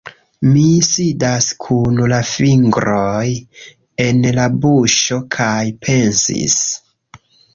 Mi sidas kun la fingroj en la buŝo kaj pensis